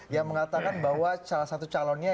yang mengatakan bahwa salah satu calonnya